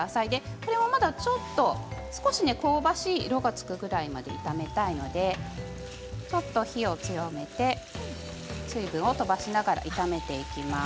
これはまだ香ばしい色がつくぐらい炒めたいのでちょっと火を強めて水分を飛ばしながら炒めていきます。